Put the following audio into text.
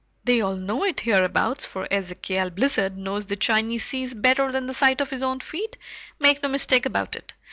They all know it hereabouts, for Ezekial Blizzard knows the Chiny Seas better than the sight of his own feet, make no mistake about it.